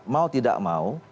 mau tidak mau